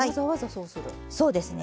そうですね。